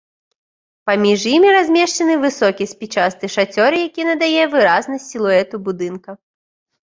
Паміж імі размешчаны высокі спічасты шацёр, які надае выразнасць сілуэту будынка.